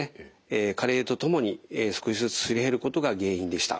加齢とともに少しずつすり減ることが原因でした。